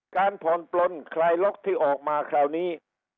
การผ่อนปลนคลายล็อกที่ออกมาคราวนี้